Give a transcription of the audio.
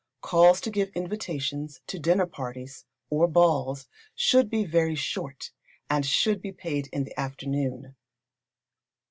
Calls to give invitations to dinner parties, or balls, should be very short, and should be paid in the afternoon.